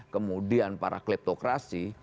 kemudian para kleptokrasi